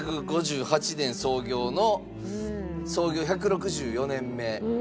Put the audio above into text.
１８５８年創業の創業１６４年目。